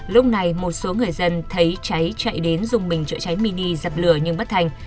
lúc này một số người dân thấy cháy chạy đến dùng bình chữa cháy mini dập lửa nhưng bất thành